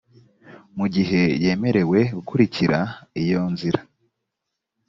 mu gihe yemerewe gukurikira iyo nzira